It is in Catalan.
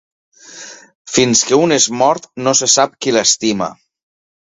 Fins que un és mort no se sap qui l'estima.